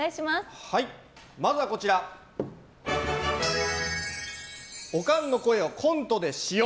まずはオカンの声をコントで使用。